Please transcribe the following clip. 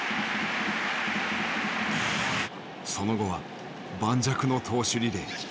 その後は盤石の投手リレー。